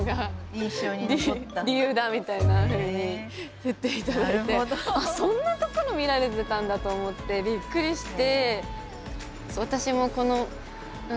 みたいなふうに言っていただいてそんなところ見られてたんだと思ってびっくりして。